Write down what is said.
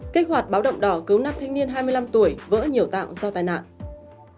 kế hoạch báo động đỏ cứu năm thanh niên hai mươi năm tuổi vỡ nhiều tạng do tai nạn